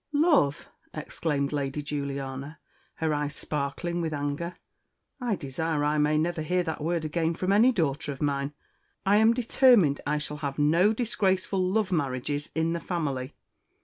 "Love!" exclaimed Lady Juliana, her eyes sparkling with anger; "I desire I may never hear that word again from any daughter of mine. I am determined I shall have no disgraceful love marriages in the family.